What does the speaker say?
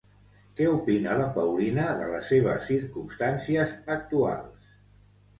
Què opina la Paulina de les seves circumstàncies actuals?